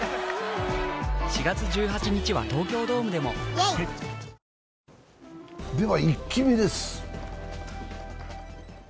あふっでは「イッキ見」です。